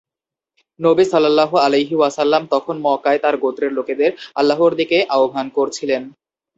নবী সাল্লাল্লাহু আলাইহি ওয়াসাল্লাম তখন মক্কায় তার গোত্রের লোকদের আল্লাহর দিকে আহবান করছিলেন।